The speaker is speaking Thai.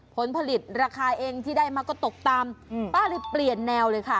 ผลผลิตราคาเองที่ได้มาก็ตกต่ำป้าเลยเปลี่ยนแนวเลยค่ะ